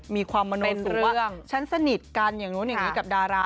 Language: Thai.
มีความมนุนเรื่องฉันสนิทกันอย่างนู้นอย่างนี้กับดารา